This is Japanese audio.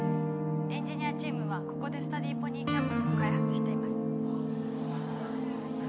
エンジニアチームはここでスタディーポニーキャンパスを開発しています